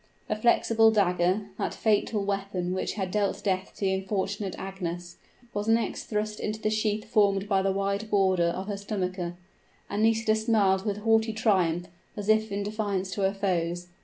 Her flexible dagger that fatal weapon which had dealt death to the unfortunate Agnes was next thrust into the sheath formed by the wide border of her stomacher; and Nisida smiled with haughty triumph as if in defiance to her foes.